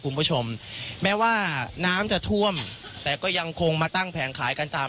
คุณผู้ชมแม้ว่าน้ำจะท่วมแต่ก็ยังคงมาตั้งแผงขายกันตาม